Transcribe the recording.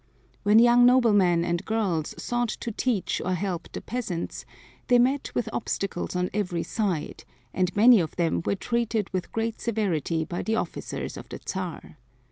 When young noblemen and girls sought to teach or help the peasants, they met with obstacles on every side, and many of them were treated with great severity by the officers of the Czar.